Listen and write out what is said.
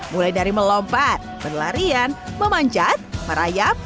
mulai dari melompat berlarian memanjat merayap